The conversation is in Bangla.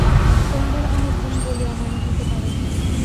তোমাদের অনেক দিন বলিয়া মনে হইতে পারে।